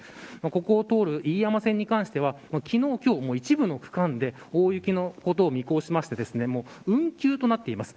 ここを通る飯山線に関しては昨日、今日も一部の区間で大雪を見越して運休となっています。